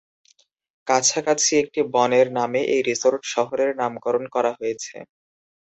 কাছাকাছি একটি বনের নামে এই রিসোর্ট শহরের নামকরণ করা হয়েছে।